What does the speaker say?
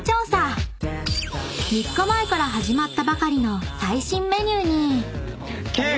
［３日前から始まったばかりの最新メニューに］